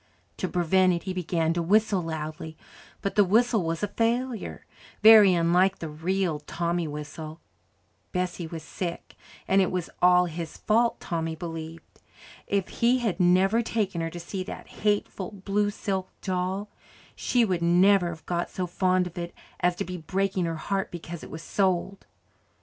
To prevent it he began to whistle loudly. But the whistle was a failure, very unlike the real Tommy whistle. Bessie was sick and it was all his fault, Tommy believed. If he had never taken her to see that hateful, blue silk doll, she would never have got so fond of it as to be breaking her heart because it was sold.